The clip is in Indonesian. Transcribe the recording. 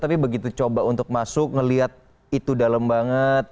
tapi begitu coba untuk masuk ngelihat itu dalam banget